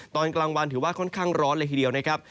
ตอนกลางวันถือว่าค่อนข้างร้อนเลยทีเดียวนะครับ